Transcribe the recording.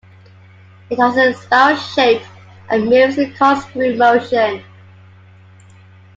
It has a spiral shape and moves in a corkscrew motion.